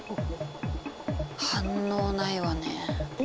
反応ないわね。